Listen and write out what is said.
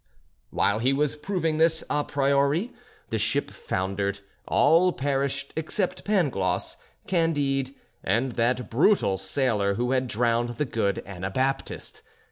While he was proving this à priori, the ship foundered; all perished except Pangloss, Candide, and that brutal sailor who had drowned the good Anabaptist.